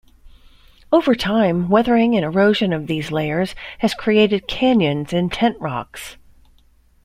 Over time, weathering and erosion of these layers has created canyons and tent rocks.